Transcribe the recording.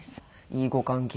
いいご関係で。